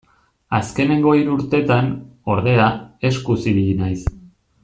Azkenengo hiru urtetan, ordea, eskuz ibili naiz.